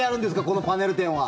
このパネル展は。